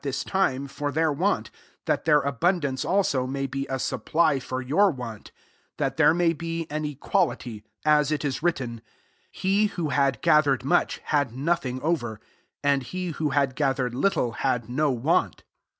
this tlime, for their want; that their abundance, also, may be a aupfUy for your want: that there may be an equality, 15 as it is written, " He who had gathertd much, had nothing over ; and he who had gathered little, had no want."